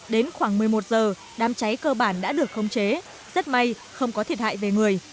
đến khoảng một mươi một giờ đám cháy cơ bản đã được khống chế rất may không có thiệt hại về người